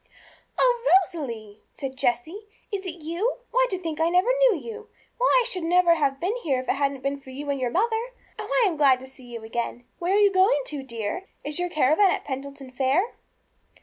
'Oh, Rosalie,' said Jessie, 'is it you? Why, to think I never knew you! Why, I shouldn't ever have been here if it hadn't been for you and your mother! Oh, I am glad to see you again! Where are you going to, dear? Is your caravan at Pendleton fair?'